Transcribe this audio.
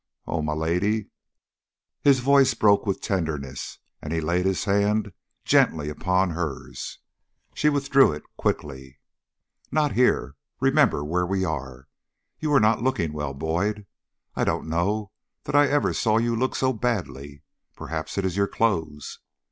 Oh, my Lady!" His voice broke with tenderness, and he laid his hand gently upon hers. She withdrew it quickly. "Not here! Remember where we are. You are not looking well, Boyd. I don't know that I ever saw you look so badly. Perhaps it is your clothes."